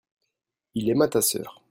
il aima ta sœur.